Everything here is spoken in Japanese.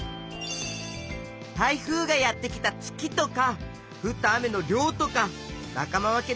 台風がやって来た月とかふった雨の量とか仲間分け